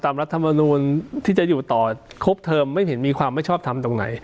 รัฐมนูลที่จะอยู่ต่อครบเทอมไม่เห็นมีความไม่ชอบทำตรงไหน